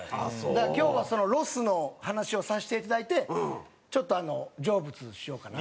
だから今日はそのロスの話をさせていただいてちょっと成仏しようかなと。